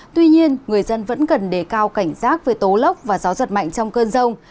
tuy nhiên người dân vẫn cần đề cao cảnh giác về tố lốc và gió giật mạnh trong cơn rông